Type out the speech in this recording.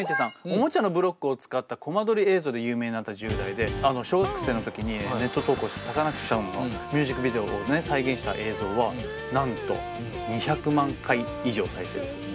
おもちゃのブロックを使ったコマ撮り映像で有名になった１０代で小学生の時にネット投稿したサカナクションのミュージックビデオを再現した映像はなんと２００万回以上再生ですよ。